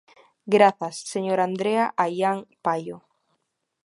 Grazas, señora Andrea Aián Paio.